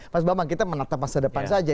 mas bambang kita menatap masa depan saja